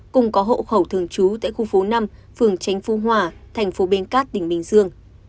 cùng có hộ khẩu thường trú tại khu phố năm phường tránh phu hòa thành phố bến cát tỉnh bình dương